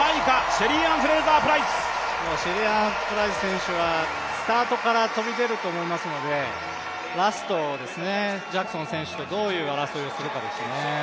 シェリーアン・フレイザー・プライス選手は序盤から飛び出ると思いますので、ラスト、ジャクソン選手とどういう争いをするかですね。